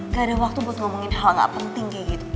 gak ada waktu buat ngomongin hal gak penting kayak gitu